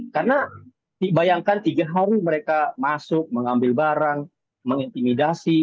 karena bayangkan tiga hari mereka masuk mengambil barang mengintimidasi